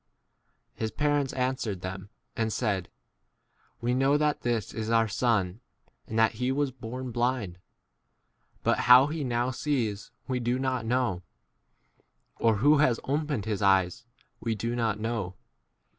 His parents answered'them and said, We know that this is our son, and that he was born 21 blind ; but how he now sees we do not know, or who has opened his eyes we* do not know.